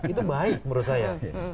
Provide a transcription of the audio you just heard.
itu baik menurut saya